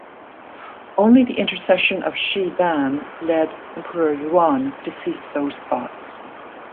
Only the intercession of Shi Dan led Emperor Yuan to cease those thoughts.